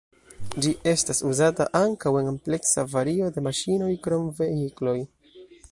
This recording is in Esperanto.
Ĝi estas uzata ankaŭ en ampleksa vario de maŝinoj krom vehikloj.